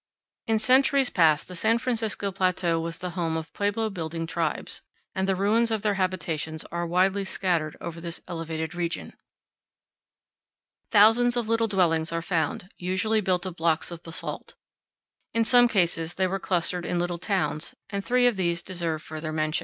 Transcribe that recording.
In centuries past the San Francisco Plateau was the home of pueblo building tribes, and the ruins of their habitations are widely scattered over this elevated region. Thousands of little dwellings are found, usually built of blocks of basalt. In some cases they were clustered in little towns, and three of these deserve further mention.